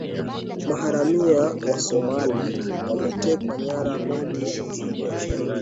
maharamia wa somali wameteka nyara meli ya mizigo ya china